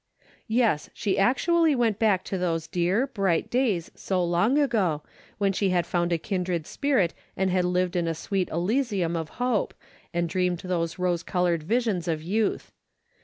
Yes, she actually went back to those dear, bright days so long ago, when she had found a kindred spirit and had lived in a sweet elysium of hope, and dreamed those rose colored visions of youth.